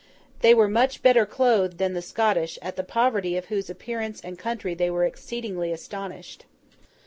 They were much better clothed than the Scotch; at the poverty of whose appearance and country they were exceedingly astonished.